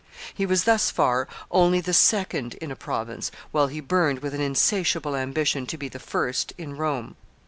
He was thus far only the second in a province, while he burned with an insatiable ambition to be the first in Rome.